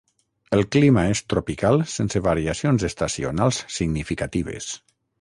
El clima és tropical sense variacions estacionals significatives.